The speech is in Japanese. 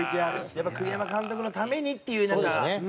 やっぱ栗山監督のためにっていうなんかねっ。